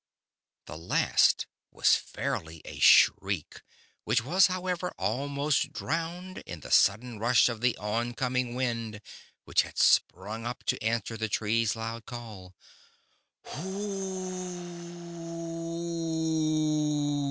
'' The last was fairly a shriek, which was, however, al most drowned in the sudden rush of the on com ing Wind, which had sprung up to answer the Tree's loud call.